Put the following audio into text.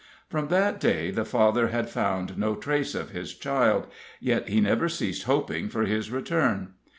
From that day the father had found no trace of his child, yet he never ceased hoping for his return.